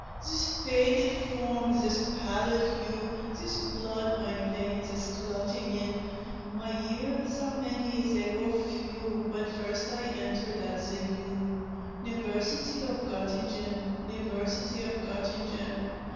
This faded form! this pallid hue! This blood my veins is clotting in! My years are many they were few When first I entered at the U niversity of Gottingen, niversity of Gottingen.